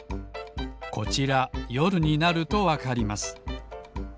こちらよるになるとわかります。